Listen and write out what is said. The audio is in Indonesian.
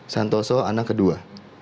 santoso anak kedua